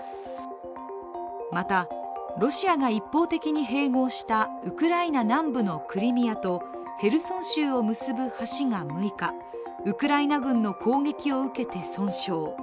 また、ロシアが一方的に併合したウクライナ南部のクリミアとヘルソン州を結ぶ橋が６日ウクライナ軍の攻撃を受けて損傷。